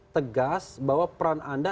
tegas bahwa peran anda